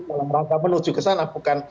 mereka menuju ke sana